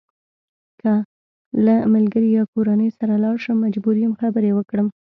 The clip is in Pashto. که له ملګري یا کورنۍ سره لاړ شم مجبور یم خبرې وکړم.